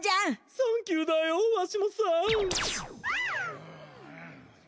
サンキューだよわしもさん。